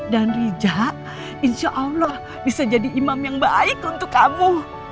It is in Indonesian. dan riza insya allah bisa jadi imam yang baik untuk kamu